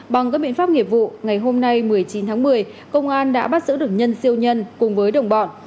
bằng các biện pháp nghiệp vụ ngày hôm nay một mươi chín tháng một mươi công an đã bắt giữ được nhân siêu nhân cùng với đồng bọn